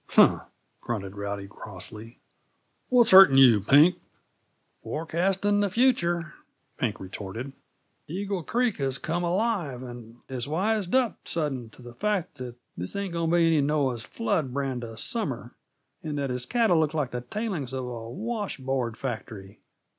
"Huh!" grunted Rowdy crossly. "What's hurting you, Pink?" "Forecasting the future," Pink retorted. "Eagle Creek has come alive, and has wised up sudden to the fact that this ain't going t' be any Noah's flood brand uh summer, and that his cattle look like the tailings of a wash board factory.